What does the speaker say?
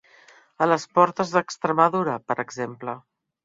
A les portes d'Extremadura, per exemple.